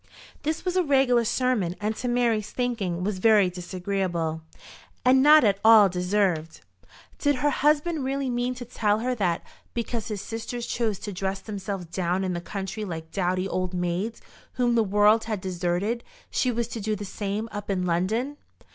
This was a regular sermon, and to Mary's thinking was very disagreeable, and not at all deserved. Did her husband really mean to tell her that, because his sisters chose to dress themselves down in the country like dowdy old maids whom the world had deserted, she was to do the same up in London?